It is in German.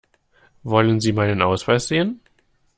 Wollen Sie meinen Ausweis sehen?